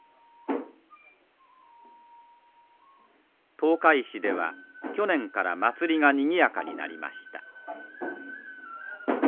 東海市では去年から祭りがにぎやかになりました。